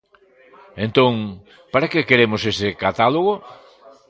Entón ¿para que queremos ese catálogo?